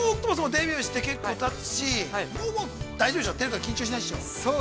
◆デビューして、結構たつし、もう大丈夫でしょう、緊張しないでしょう。